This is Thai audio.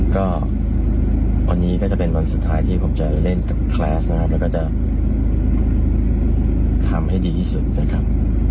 ก็วันนี้ก็จะเป็นวันสุดท้ายที่ผมจะเล่นกับแคลสนะครับแล้วก็จะทำให้ดีที่สุดนะครับ